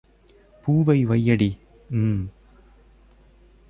பூவை வையடி....... ம்.